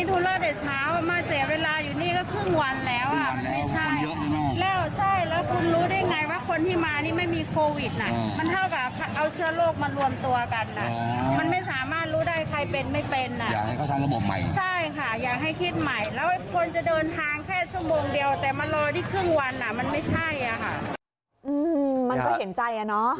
อืมมันก็เห็นใจนะ